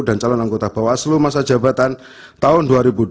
dan calon anggota bawaslu masa jabatan tahun dua ribu dua puluh dua dua ribu dua puluh tujuh